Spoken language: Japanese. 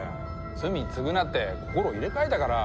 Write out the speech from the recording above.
罪償って心入れ替えたから。